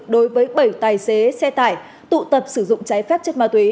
đối với bảy tài xế xe tải tụ tập sử dụng trái phép chất ma túy